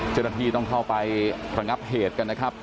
เจ้าหน้าที่ต้องเข้าไประงับเหตุกันนะครับ